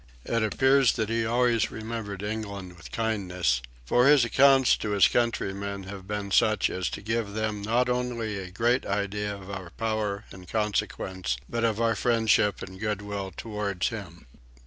It appears that he always remembered England with kindness; for his accounts to his countrymen have been such as to give them not only a great idea of our power and consequence but of our friendship and goodwill towards him.